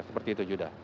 seperti itu juga